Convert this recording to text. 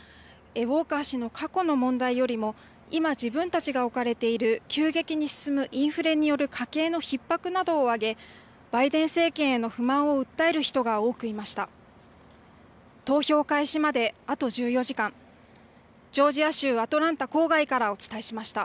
ウォーカー氏の過去の問題よりも今、自分たちが置かれている急激に進むインフレによる家計のひっ迫などを挙げ、バイデン政権への不満を訴える人が多くいました。